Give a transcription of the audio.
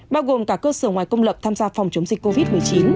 bao gồm cả cơ sở ngoài công lập tham gia phòng chống dịch covid một mươi chín